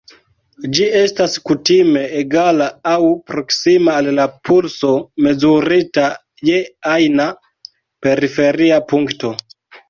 Ĝi estas kutime egala aŭ proksima al la pulso mezurita je ajna periferia punkto.